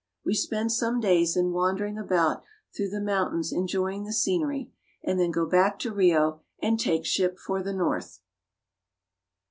We spend some days in wandering about through the mountains enjoying the scenery, and then go back to Rio and take ship for the north.